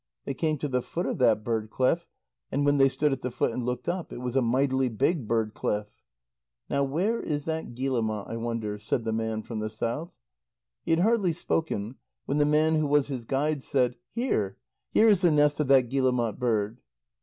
They came to the foot of that bird cliff, and when they stood at the foot and looked up, it was a mightily big bird cliff. "Now where is that guillemot, I wonder?" said the man from the south. He had hardly spoken, when the man who was his guide said: "Here, here is the nest of that guillemot bird."